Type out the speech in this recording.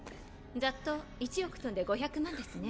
ざっと１億飛んで５００万ですね。